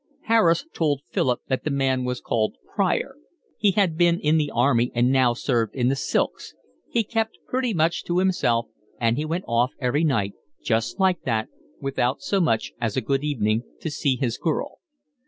Harris told Philip that the man was called Prior; he had been in the army and now served in the silks; he kept pretty much to himself, and he went off every night, just like that, without so much as a good evening, to see his girl.